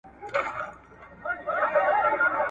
صنم مي زمزمه کي